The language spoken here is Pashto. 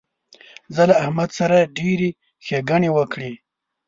زه له احمد سره ډېرې ښېګڼې وکړې.